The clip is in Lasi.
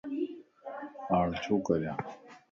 ھاڻ ڇو ڪريان؟